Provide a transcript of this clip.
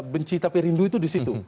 benci tapi rindu itu disitu